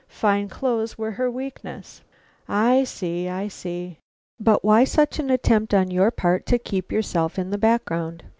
Fine clothes were her weakness." "I see, I see; but why such an attempt on your part to keep yourself in the background?